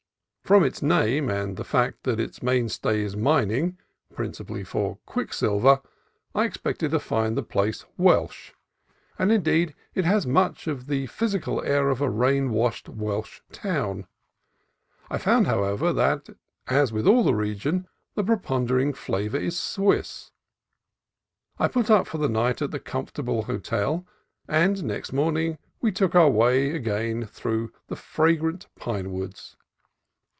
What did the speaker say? From its name, and the fact that its mainstay is mining (prin cipally for quicksilver), I expected to find the place Welsh; and, indeed, it has much the physical air of a rain washed Welsh town. I found, however, that, as with all the region, the preponderating flavor is Swiss. I put up for the night at the comfortable hotel, and next morning we took our way again through the fragrant pine woods.